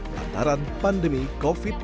lantaran pandemi covid sembilan belas